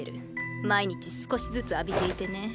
毎日少しずつ浴びていてね。